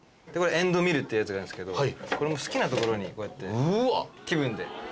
エンドミルっていうやつがあるんですけどこれも好きな所にこうやって気分で。